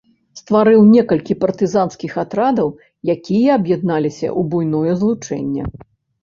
Стварыў некалькі партызанскіх атрадаў, якія аб'ядналіся ў буйное злучэнне.